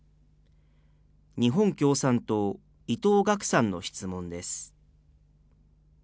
日本共産党、伊藤岳さんの質問です。